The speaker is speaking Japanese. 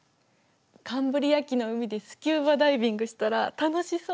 カンブリア紀の海でスキューバダイビングしたら楽しそう。